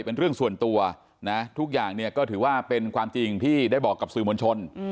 เป็นเรื่องส่วนตัวนะทุกอย่างเนี่ยก็ถือว่าเป็นความจริงที่ได้บอกกับสื่อมวลชน